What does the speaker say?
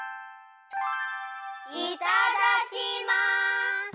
いただきます！